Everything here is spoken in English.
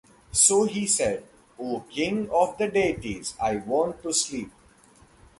So, he said, O King of the deities, I want to sleep.